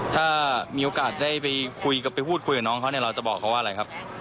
ถ้ามีโอกาสได้ไปคุยกับไปพูดคุยกับน้องเขาเนี่ยเราจะบอกเขาว่าอะไรครับ